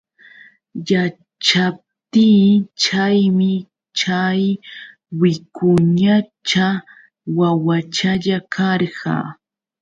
Yaćhaptiy chaymi chay wicuñacha wawachalla karqa.